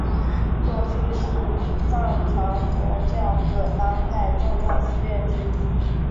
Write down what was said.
过去是藏传佛教噶当派重要寺院之一。